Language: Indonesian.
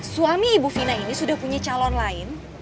suami ibu fina ini sudah punya calon lain